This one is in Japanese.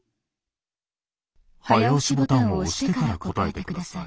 早押しボタンを押してから答えて下さい。